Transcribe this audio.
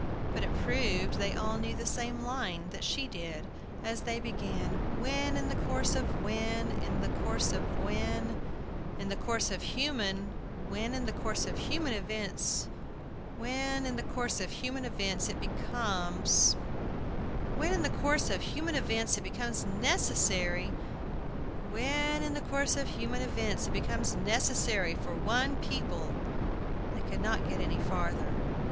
But it proved they all knew the same line that she did, as they began: "When, in the course of when, in the course of when, in the course of human when in the course of human events when, in the course of human events, it becomes when, in the course of human events, it becomes necessary when, in the course of human events it becomes necessary for one people" They could not get any farther.